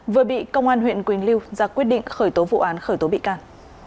vừa bị công an huyện quỳnh lưu ra quyết định khởi tố vụ án khởi tố bị can